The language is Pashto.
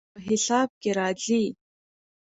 نه، په حساب کې راځي